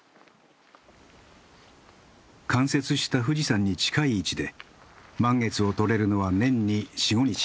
冠雪した富士山に近い位置で満月を撮れるのは年に４５日。